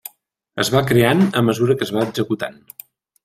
Es va creant a mesura que es va executant.